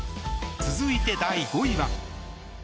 続いて、第５位は。